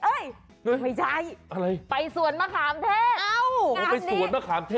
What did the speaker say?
เอ้ยไม่ใช่ไปสวนมะขามเทศงามดีเอ้าไปสวนมะขามเทศ